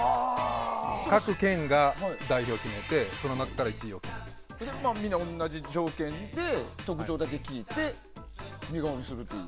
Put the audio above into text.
各県が代表を決めて、その中からみんな同じ条件で特徴だけ聞いて似顔絵にするという？